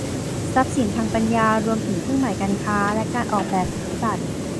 ทรัพย์สินทางปัญญารวมถึงเครื่องหมายการค้าและการออกแบบสิทธิบัตร